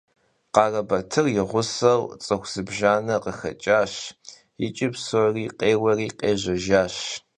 Kharebatır yi ğusenu ts'ıxu zıbjjane khıxeç'aş yiç'i psori khêueri khêjejjaş.